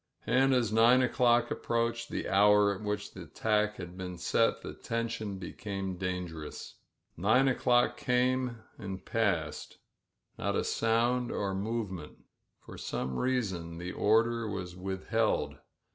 And as i o'clock approached, the hour at which the attack been set, the tension became dangerous. S54 THE FALL OF GOMEZ PALACIO Nine o'clock came and passed — not a sound or move ment. For some reason the order was withheld.